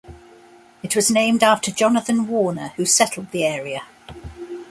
It was named after Jonathan Warner, who settled the area.